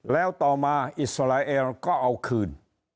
แล้วต่อมาอิสราเอลก็เอาคืน